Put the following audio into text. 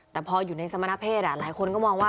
แต่พออยู่ในสามานเพชรอะ